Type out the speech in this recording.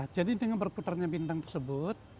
jadi dengan berputarnya bintang tersebut